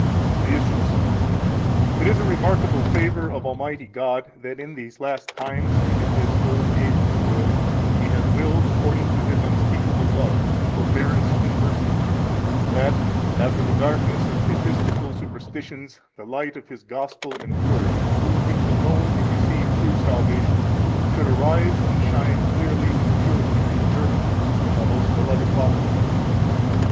The Issues 2 It is a remarkable favor of Almighty God that in these last times and in this old age of the world He has willed, according to His unspeakable love, forbearance, and mercy, that after the darkness of papistical superstitions the light of His Gospel and Word, through which alone we receive true salvation, should arise and shine clearly and purely in Germany, our most beloved fatherland.